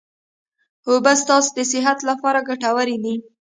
اوبه ستاسو د صحت لپاره ګټوري دي